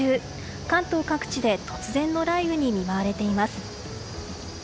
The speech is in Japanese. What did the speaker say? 関東各地で突然の雷雨に見舞われています。